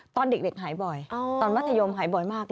ตอนเด็กหายบ่อยตอนมัธยมหายบ่อยมาก